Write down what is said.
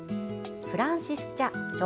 フランシス・チャ著